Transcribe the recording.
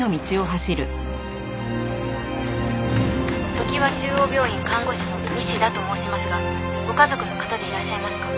「常和中央病院看護師の西田と申しますがご家族の方でいらっしゃいますか？」